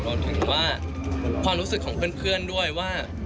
รวมถึงว่าความรู้สึกของเพื่อนด้วยว่า